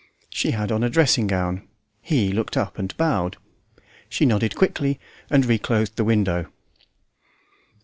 She had on a dressing gown. He looked up and bowed. She nodded quickly and reclosed the window.